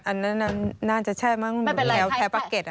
อันนั้นน่าจะใช่มั้งแถวปั๊กเก็ต